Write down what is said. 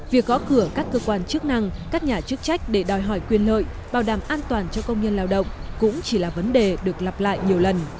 việc gõ cửa các cơ quan chức năng các nhà chức trách để đòi hỏi quyền lợi bảo đảm an toàn cho công nhân lao động cũng chỉ là vấn đề được lặp lại nhiều lần